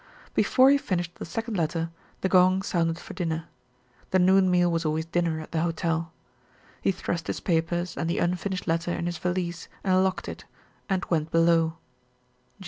Before he finished the second letter the gong sounded for dinner. The noon meal was always dinner at the hotel. He thrust his papers and the unfinished letter in his valise and locked it and went below.